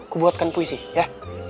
kubuatkan puisi ya